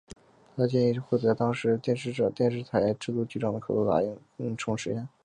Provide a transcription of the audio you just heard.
他的建议获得当时电视台的制作局长的口头答应而成功实现。